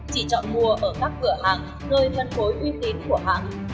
chỉ chọn mua ở các cửa hàng nơi hân cối uy tín của hàng